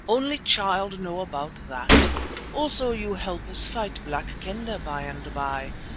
Only Child know about that. Also you help us fight Black Kendah by and by.